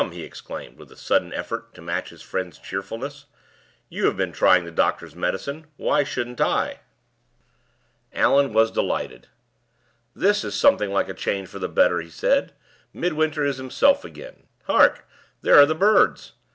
he exclaimed, with a sudden effort to match his friend's cheerfulness, "you have been trying the doctor's medicine, why shouldn't I?" Allan was delighted. "This is something like a change for the better," he said; "Midwinter is himself again. Hark! there are the birds.